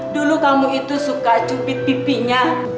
dulu kamu itu suka cubit pipinya